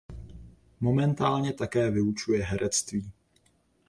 Momentálně také vyučuje herectví.